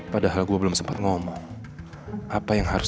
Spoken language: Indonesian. padahal gue belum sempat ngomong